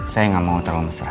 saya nggak mau terlalu mesra